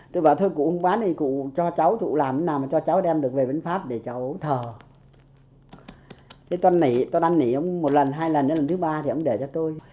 tôi đăng nỉ ông một lần hai lần lần thứ ba thì ông để cho tôi